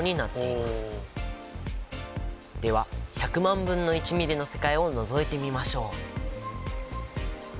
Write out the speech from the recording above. では１００万分の１ミリの世界をのぞいてみましょう！